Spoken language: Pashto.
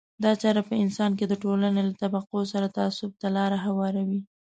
دا چاره په انسان کې د ټولنې له طبقو سره تعصب ته لار هواروي.